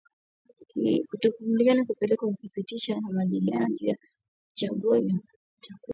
Kutokukubaliana kulipelekea kusitishwa kwa majadiliano juu ya kuchagua nchi itakayokuwa mwenyeji wa Shirika la Ulaya ya Muziki na Picha